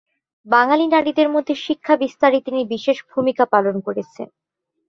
বাঙালি নারীদের মধ্যে শিক্ষা বিস্তারে তিনি বিশেষ ভুমিকা পালন করেছেন।